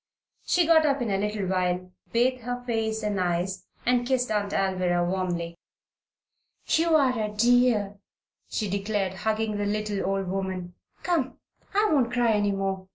She got up in a little while, bathed her face and eyes, and kissed Aunt Alvirah warmly. "You are a dear!" she declared, hugging the little old woman. "Come! I won't cry any more.